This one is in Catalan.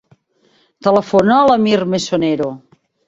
Telefona a l'Amir Mesonero.